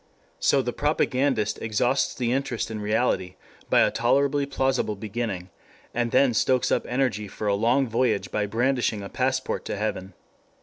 So the propagandist exhausts the interest in reality by a tolerably plausible beginning, and then stokes up energy for a long voyage by brandishing a passport to heaven.